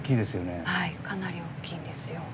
かなり大きいんですよ。